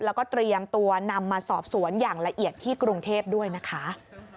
แล้วก็เตรียมตัวนำมาสอบสวนอย่างละเอียดที่กรุงเทพด้วยนะคะ